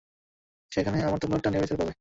সেখানে আমার তলোয়ারটা ন্যায়বিচার করবে।